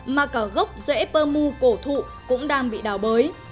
mà cả gốc dễ bờ mù cổ thụ cũng đang bị đào bới